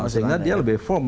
sehingga dia lebih firm